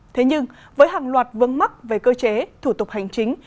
thế nhưng với hàng loạt vương mắc về cơ chế thủ tục hành chính